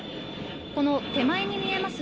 この手前に見えます